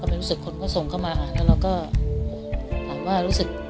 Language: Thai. เป็นรู้สึกคนก็ส่งเข้ามาอ่านแล้วก็